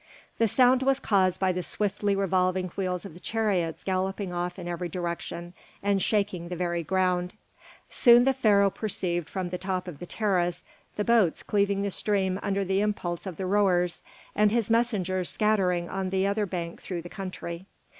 The sound was caused by the swiftly revolving wheels of the chariots galloping off in every direction, and shaking the very ground. Soon the Pharaoh perceived from the top of the terrace the boats cleaving the stream under the impulse of the rowers, and his messengers scattering on the other bank through the country.